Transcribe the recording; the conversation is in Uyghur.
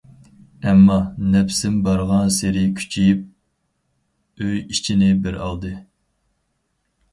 ئەمما، نەپسىم بارغانسېرى كۈچىيىپ ئۆي ئىچىنى بىر ئالدى.